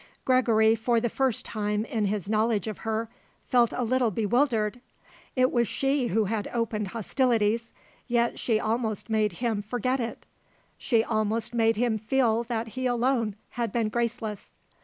Gregory, for the first time in his knowledge of her, felt a little bewildered. It was she who had opened hostilities, yet she almost made him forget it; she almost made him feel that he alone had been graceless.